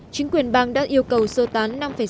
chính quyền bang đã yêu cầu sơ tán